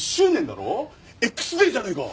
Ｘデーじゃねえか。